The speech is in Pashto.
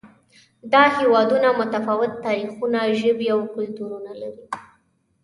دا هېوادونه متفاوت تاریخونه، ژبې او کلتورونه لري.